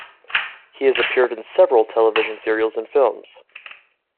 He has appeared in several television serials and films.